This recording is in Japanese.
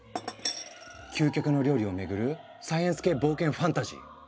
究極の料理をめぐるサイエンス系冒険ファンタジー。